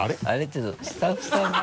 ちょっとスタッフさんが。